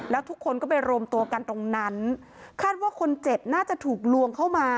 แล้วทุกคนก็ไปรวมตัวกันตรงนั้นคาดว่าคนเจ็บน่าจะถูกลวงเข้ามา